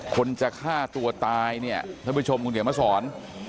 คนจะฆ่าตัวตายถ้าบริชมคุณเลยมาสอน